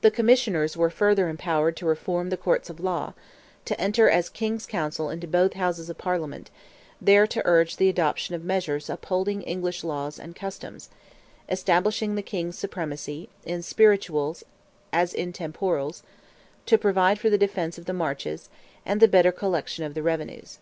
The commissioners were further empowered to reform the Courts of Law; to enter as King's Counsel into both Houses of Parliament, there to urge the adoption of measures upholding English laws and customs, establishing the King's supremacy, in spirituals as in temporals, to provide for the defence of the marches, and the better collection of the revenues.